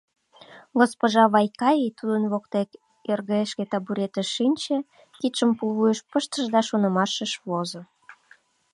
Госпожа Вайкаи тудын воктек йыргешке табуретыш, шинче кидшым пулвуйыш пыштыш да шонымашыш возо.